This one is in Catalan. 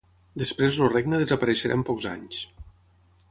Després el regne desapareixerà en pocs anys.